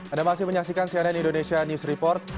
anda masih menyaksikan cnn indonesia news report